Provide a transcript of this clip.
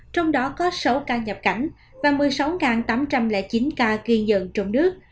trong đó có sáu ca nhập cảnh và một mươi sáu tám trăm linh chín ca ghi nhận trong nước